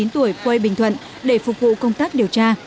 hai mươi chín tuổi quê bình thuận để phục vụ công tác điều tra